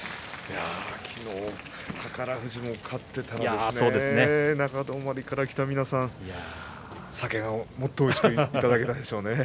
昨日、宝富士も勝っていたら中泊から来た皆さんお酒がもっとおいしくいただけたでしょうね。